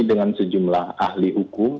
dengan sejumlah ahli hukum